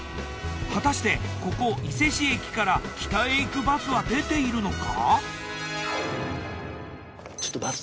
果たしてここ伊勢市駅から北へ行くバスは出ているのか？